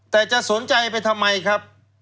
แต่จะสนใจไปทำไมครับ